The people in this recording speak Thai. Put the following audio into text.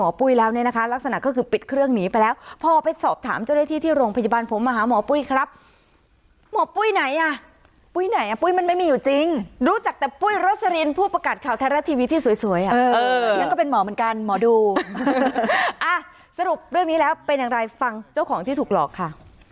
หมอปุ้ยไหนอ่ะปุ้ยไหนอ่ะปุ้ยมันไม่มีอยู่จริงรู้จักแต่ปุ้ยโรสลินผู้ประกาศข่าวทะเลทีวีที่สวยอ่ะยังเป็นหมอเหมือนกันหมอดูอ่ะสรุปเรื่องนี้แล้วเป็นอย่างไรฟังเจ้าของที่ถูกหลอกค่ะ